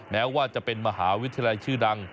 แม้ว่าจะเป็นมหาวิทยาลัยชื่อดัง